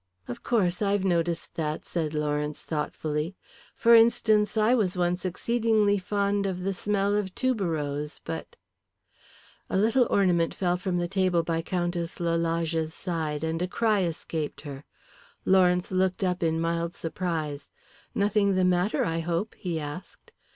"Of course, I've noticed that," said Lawrence thoughtfully. "For instance, I once was exceedingly fond of the smell of tuberose, but " A little ornament fell from the table by Countess Lalage's side and a cry escaped her. Lawrence looked up in mild surprise. "Nothing the matter, I hope?" he asked.